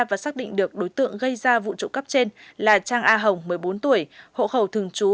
và xác định được đối tượng gây ra vụ trộm cắp trên là trang a hồng một mươi bốn tuổi hộ khẩu thường trú